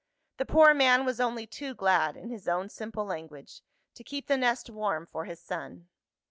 The poor man was only too glad (in his own simple language) "to keep the nest warm for his son."